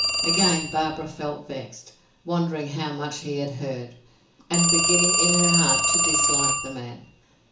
Again Barbara felt vexed, wondering how much he had heard, and beginning in her heart to dislike the man.